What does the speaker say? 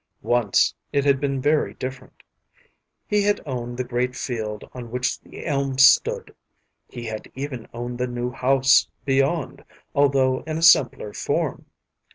Once it had been very different. He had owned the great field on which the elm stood; he had even owned the new house beyond, although in a simpler form.